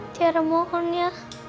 tiara mohon ya